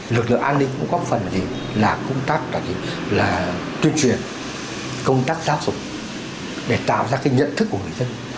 lực lượng an ninh cũng có phần là gì làm công tác là tuyên truyền công tác giáo dục để tạo ra cái nhận thức của người dân